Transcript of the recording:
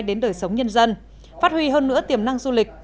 về sống nhân dân phát huy hơn nữa tiềm năng du lịch